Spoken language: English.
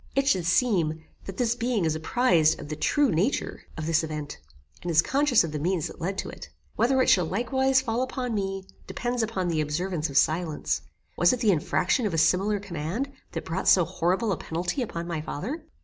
It should seem, that this being is apprised of the true nature of this event, and is conscious of the means that led to it. Whether it shall likewise fall upon me, depends upon the observance of silence. Was it the infraction of a similar command, that brought so horrible a penalty upon my father?